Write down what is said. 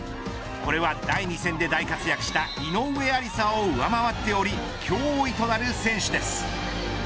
これは第２戦で大活躍した井上愛里沙を上回っており脅威となる選手です。